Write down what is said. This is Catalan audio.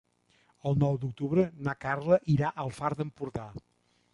El nou d'octubre na Carla irà al Far d'Empordà.